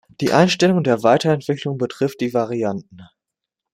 Die Einstellung der Weiterentwicklung betrifft die Varianten